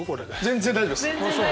全然大丈夫です。